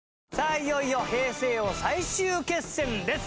いよいよ平成王最終決戦です。